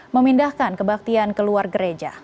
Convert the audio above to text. memindahkan kebaktian keluar gereja